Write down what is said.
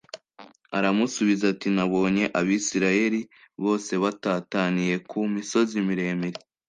Aramusubiza ati “Nabonye Abisirayeli bose batataniye ku misozi miremire”